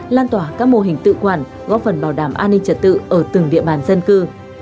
lan tỏa các mô hình tự quản góp phần bảo đảm an ninh trật tự ở từng địa bàn dân cư